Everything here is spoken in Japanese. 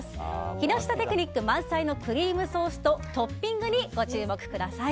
木下テクニック満載のクリームソースとトッピングにご注目ください。